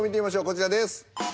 こちらです。